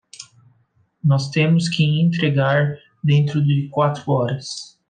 Nós temos que entregar dentro de quatro horas